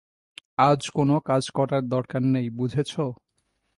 আজ কোন কাজ করার দরকার নেই, বুঝেছ?